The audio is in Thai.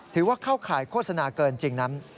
ถือว่าเข้าข่ายโฆษณาเกินจริงนั้น